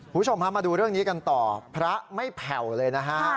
คุณผู้ชมฮะมาดูเรื่องนี้กันต่อพระไม่แผ่วเลยนะฮะ